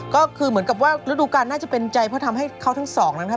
ก็คือเหมือนกับว่าฤดูการน่าจะเป็นใจเพราะทำให้เขาทั้งสองนะครับ